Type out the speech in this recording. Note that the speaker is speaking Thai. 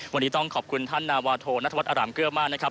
วันนี้ต้องขอบคุณท่านนาวาโทนัทธวัฒอรามเกลือมากนะครับ